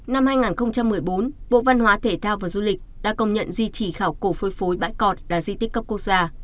năm hai nghìn một mươi bốn bộ văn hóa thể thao và du lịch đã công nhận di trì khảo cổ phân phối bãi cọt là di tích cấp quốc gia